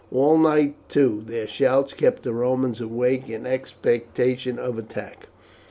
All night, too, their shouts kept the Romans awake in expectation of attack.